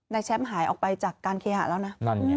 แชมป์หายออกไปจากการเคหะแล้วนะ